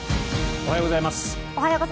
おはようございます。